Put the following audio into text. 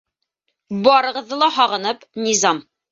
Барығыҙҙы ла һағынып, Низам.